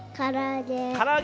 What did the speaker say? からあげ。